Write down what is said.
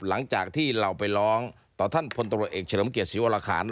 หลังจากที่เราไปร้องต่อท่านพลตรวจเอกเฉลิมเกียรติศรีวรคาร